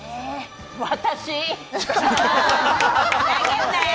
私。